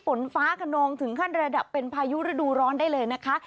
ฝนฟ้าขนองถึงขั้นระดับเป็นพายุฤดูร้อนได้เลยนะคะ